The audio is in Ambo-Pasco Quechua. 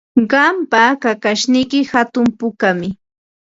Qampa kakashniyki hatun pukami.